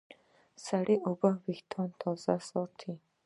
سړې اوبه وېښتيان تازه ساتي.